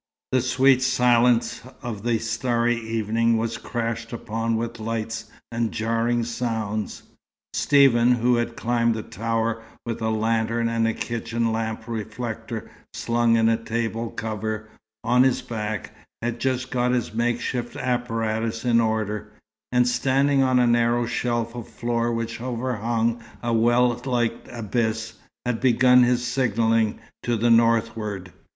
The sweet silence of the starry evening was crashed upon with lights and jarring sounds. Stephen, who had climbed the tower with a lantern and a kitchen lamp reflector slung in a table cover, on his back, had just got his makeshift apparatus in order, and standing on a narrow shelf of floor which overhung a well like abyss, had begun his signalling to the northward.